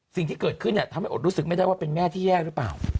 สิ่งที่เกิดขึ้นเนี่ยทำให้อดรู้สึกไม่ได้ว่าเป็นแม่ที่แย่หรือเปล่า